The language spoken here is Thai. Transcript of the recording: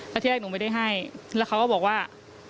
แล้วที่แรกหนูไม่ได้ให้แล้วเขาก็บอกว่า